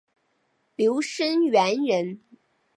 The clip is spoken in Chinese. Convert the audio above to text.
刘声元人。